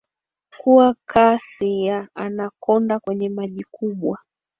kuwa kasi ya Anacconda kwenye maji kubwa